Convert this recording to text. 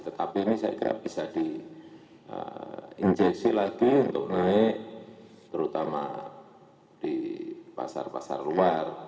tetapi ini saya kira bisa diinjeksi lagi untuk naik terutama di pasar pasar luar